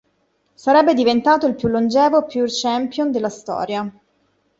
Sarebbe diventato il più longevo Pure Champion della storia.